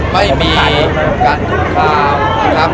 มุมการก็แจ้งแล้วเข้ากลับมานะครับ